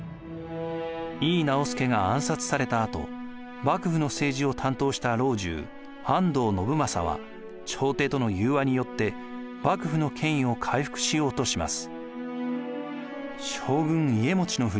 井伊直弼が暗殺されたあと幕府の政治を担当した老中・安藤信正は朝廷との融和によって幕府の権威を回復しようとします。